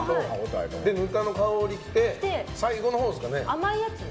ぬかの香り来て最後のほうですかね。